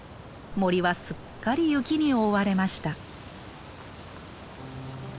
森はすっかり雪に覆われました。